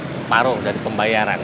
separuh dari pembayaran